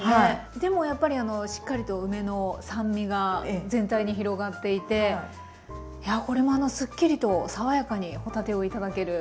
でもやっぱりしっかりと梅の酸味が全体に広がっていてやこれもすっきりと爽やかに帆立てを頂ける。